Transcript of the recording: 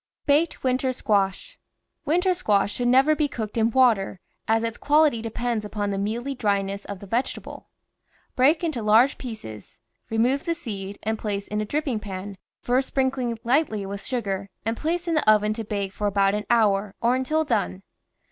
BAKED WINTER SQUASH Winter squash should never be cooked in water, as its quality depends upon the mealy dryness of the vegetable. Break into large pieces, remove the seed, and place in a dripping pan, first sprinkling THE VEGETABLE GARDEN lightly with sugar, and place in the oven to bake for about an hour, or until done.